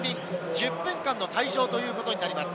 １０分間の退場ということになります。